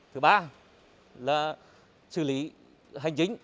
thứ ba là xử lý hành chính